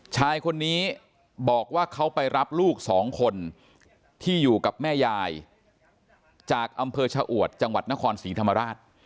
ชายคนนี้บอกว่าเขาไปรับลูกสองคนที่อยู่กับแม่ยายจากอำเภอชะอวดจังหวัดนครศรีธรรมราช